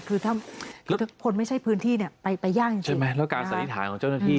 คือถ้าคนไม่ใช่พื้นที่เนี่ยไปยากจริงใช่ไหมแล้วการสันนิษฐานของเจ้าหน้าที่